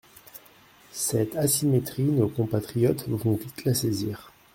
Cette asymétrie, nos compatriotes vont vite la saisir.